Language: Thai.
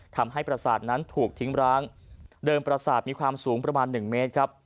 ทำให้ประสาทนั้นถูกทิ้งร้างเดิมประสาทมีความสูงประมาณ๑เมตรครับ